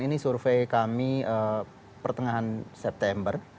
ini survei kami pertengahan september